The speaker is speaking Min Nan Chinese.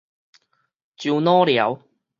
樟腦寮